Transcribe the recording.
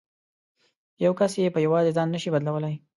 یو کس یې په یوازې ځان نه شي بدلولای.